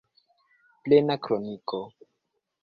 Plena kroniko.